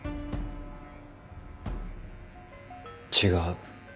違う。